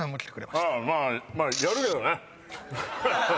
「まあやるけどね」